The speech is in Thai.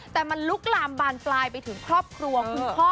แต่มันลุกลามบานปลายไปถึงครอบครัวคุณพ่อ